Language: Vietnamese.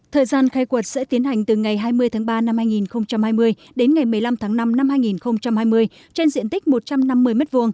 thời gian khai quật sẽ tiến hành từ ngày hai mươi tháng ba năm hai nghìn hai mươi đến ngày một mươi năm tháng năm năm hai nghìn hai mươi trên diện tích một trăm năm mươi m hai